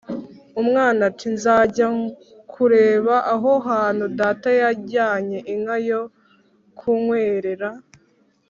Umwana ati: "Nzajya kureba aho hantu data yajyanye inka yo kunkwerera"